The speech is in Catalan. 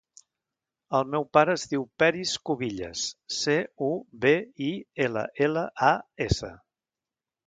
El meu pare es diu Peris Cubillas: ce, u, be, i, ela, ela, a, essa.